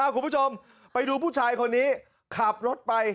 คุณผู้ชมไปดูผู้ชายคนนี้ขับรถไป